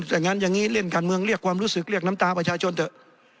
แต่งั้นอย่างนี้เล่นการเมืองเรียกความรู้สึกเรียกน้ำตาประชาชนเถอะ